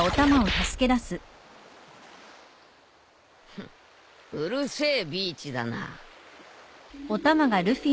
フッうるせえビーチだな。